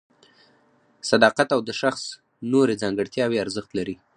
صداقت او د شخص نورې ځانګړتیاوې ارزښت لري.